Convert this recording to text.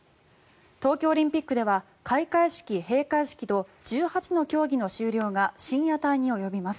東京オリンピックでは開会式、閉会式と１８の競技の終了が深夜帯に及びます。